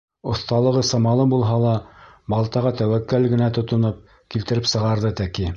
Оҫталығы самалы булһа ла, балтаға тәүәккәл генә тотоноп, килтереп сығарҙы тәки.